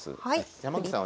山口さん